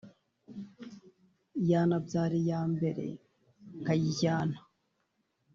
yanabyara iya mbere nkayijyana